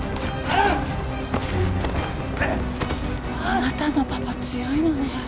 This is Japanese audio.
あなたのパパ強いのね。